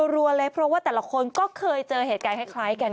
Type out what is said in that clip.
รัวเลยเพราะว่าแต่ละคนก็เคยเจอเหตุการณ์คล้ายกัน